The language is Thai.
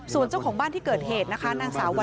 ส่วนเจ้าของบ้านที่เกิดเหตุนะคะนักศึกษา